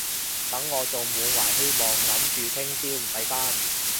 等我仲滿懷希望諗住聽朝唔使返